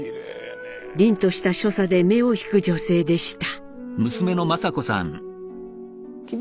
凛とした所作で目を引く女性でした。